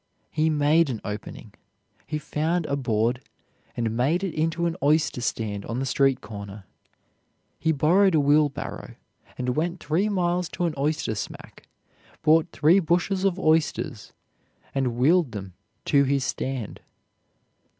He made an opening. He found a board, and made it into an oyster stand on the street corner. He borrowed a wheelbarrow, and went three miles to an oyster smack, bought three bushels of oysters, and wheeled them to his stand.